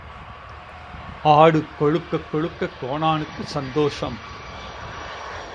ஆடு கொழுக்கக் கொழுக்கக் கோனானுக்குச் சந்தோஷம்.